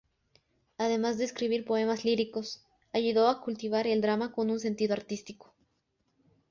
Además de escribir poemas líricos, ayudó a cultivar el drama con un sentido artístico.